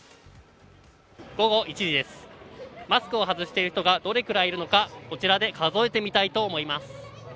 午後１時です、マスクを外している人がどれくらいいるのか、こちらで数えてみたいと思います。